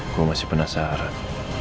gue masih penasaran